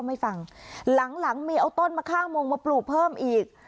ไม่ฟังหลังหลังมีเอาต้นมะค่าโมงมาปลูกเพิ่มอีก